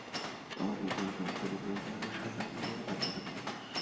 আমার দিক থেকে চোখ ফিরিয়ে বিরক্তি নিয়ে সাদা সিলিংয়ে তাকিয়ে থাকে।